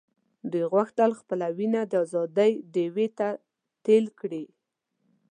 دوی غوښتل خپله وینه د آزادۍ ډیوې ته تېل کړي.